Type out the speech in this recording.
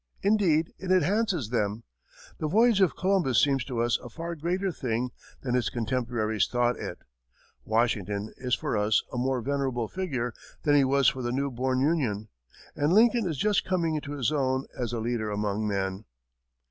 Indeed, it enhances them; the voyage of Columbus seems to us a far greater thing than his contemporaries thought it; Washington is for us a more venerable figure than he was for the new born Union; and Lincoln is just coming into his own as a leader among men.